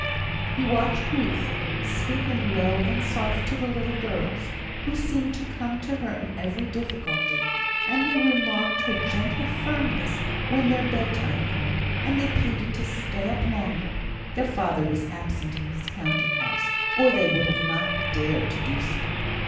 He watched Ruth, speaking low and soft to the little girls, who seemed to come to her in every difficulty; and he remarked her gentle firmness when their bedtime came, and they pleaded to stay up longer (their father was absent in his counting house, or they would not have dared to do so).